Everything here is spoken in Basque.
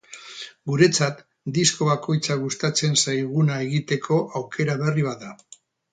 Guretzat, disko bakoitza gustatzen zaiguna egiteko aukera berri bat da.